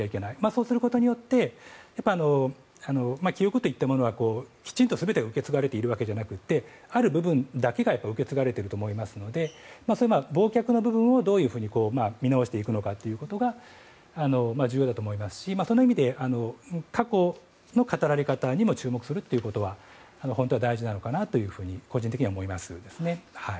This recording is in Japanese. そうすることによって記憶といったものはきちんと全てが受け継がれているわけではなくてある部分だけが受け継がれていると思いますので忘却の部分を、どう見直していくのかということが重要だと思いますしその意味で、過去の語られ方にも注目するということは本当は大事なのかなというふうに個人的には思うんですね。